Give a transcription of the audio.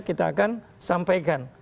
kita akan sampaikan